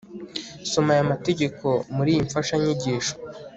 soma aya mategeko muri iyi mfashanyigisho